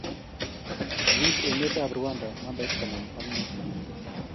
Kiib emetab Rwanda nambait konom ak mut,